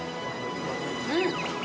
うん！